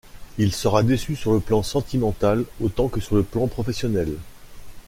Il sera déçu sur le plan sentimental autant que sur le plan professionnel.